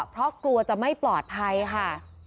เพราะกลัวจะไม่ปลอดภัยค่ะ